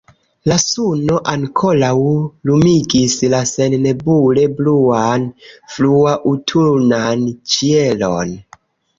La suno ankoraŭ lumigis la sennebule bluan fruaŭtunan ĉielon.